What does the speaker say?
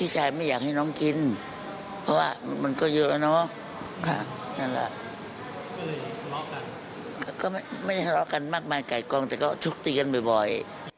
ก็ไม่ทะเลาะกันมากมายไก่กองแต่ก็ชุกตีกันบ่อย